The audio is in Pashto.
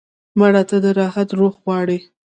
مړه ته د راحت روح غواړو